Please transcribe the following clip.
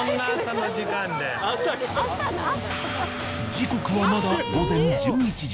時刻はまだ午前１１時。